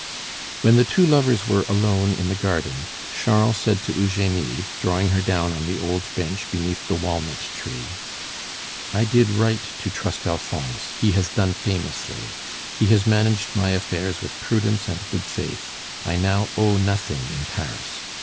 When the two lovers were alone in the garden, Charles said to Eugenie, drawing her down on the old bench beneath the walnut tree, "I did right to trust Alphonse; he has done famously. He has managed my affairs with prudence and good faith. I now owe nothing in Paris.